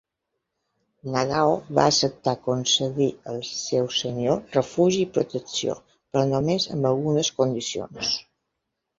Nagao va acceptar concedir al seu senyor refugi i protecció, però només amb algunes condicions.